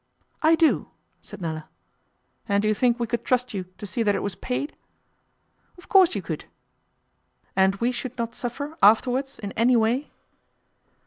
'I do,' said Nella. 'And you think we could trust you to see that it was paid?' 'Of course you could.' 'And we should not suffer afterwards in any way?